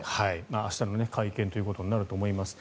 明日の会見ということになると思います。